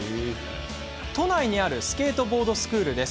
都内にあるスケートボードスクールです。